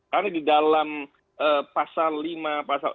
karena di dalam pasal lima pasal enam